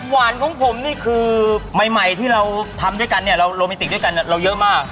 หวานของผมนี่คือใหม่ที่เราทำด้วยกันเนี่ยเราโรแมนติกด้วยกันเราเยอะมาก